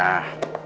aku sudah tidur